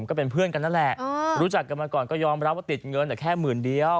ก็เป็นเพื่อนกันนั่นแหละรู้จักกันมาก่อนก็ยอมรับว่าติดเงินแค่หมื่นเดียว